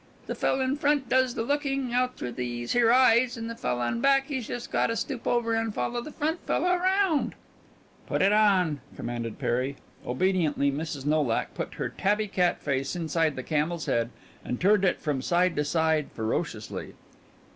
The fella in front does the lookin' out through these here eyes, an' the fella in back he's just gotta stoop over an' folla the front fella round." "Put it on," commanded Perry. Obediently Mrs. Nolak put her tabby cat face inside the camel's head and turned it from side to side ferociously.